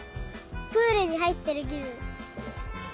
プールにはいってるきぶん。